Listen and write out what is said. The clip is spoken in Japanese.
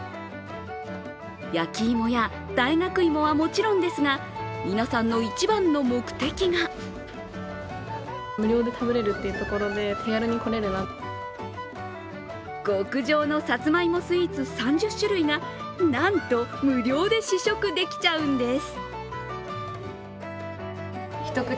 焼き芋や大学芋はもちろんですが、皆さんの一番の目的が極上のさつまいもスイーツ３０種類がなんと無料で試食できちゃうんです。